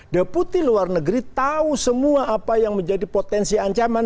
deputi luar negeri tahu semua apa yang menjadi potensi ancaman